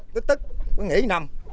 tức tức mới nghỉ năm